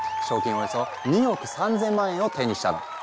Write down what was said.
およそ２億３，０００万円を手にしたの。